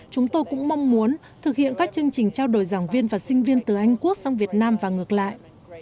chúng tôi cũng mong muốn thực hiện các chương trình trao đổi giảng viên và sinh viên từ anh quốc sang việt nam và ngược lại